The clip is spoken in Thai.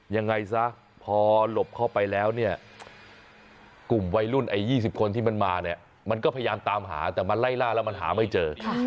ยังไงซะพอหลบเข้าไปแล้วเนี่ยกลุ่มวัยรุ่นไอ้๒๐คนที่มันมาเนี่ยมันก็พยายามตามหาแต่มันไล่ล่าแล้วมันหาไม่เจอ